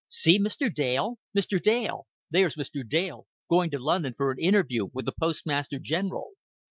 "See Mr. Dale?" "Mr. Dale!" "There's Mr. Dale, going to London for an interview with the Postmaster General."